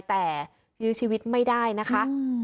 แต่ยื้อชีวิตไม่ได้นะคะ